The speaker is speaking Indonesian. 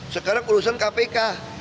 sekarang urusan kpk